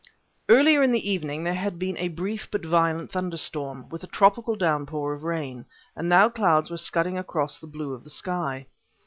Earlier in the evening there had been a brief but violent thunderstorm, with a tropical downpour of rain, and now clouds were scudding across the blue of the sky.